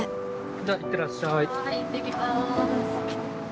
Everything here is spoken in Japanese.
じゃあいってらっしゃい。